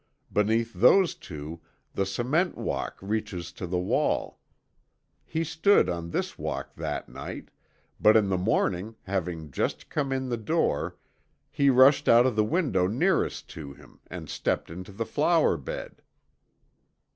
Beneath those two the cement walk reaches to the wall. He stood on this walk that night, but in the morning having just come in the door he rushed out of the window nearest to him and stepped into the flower bed."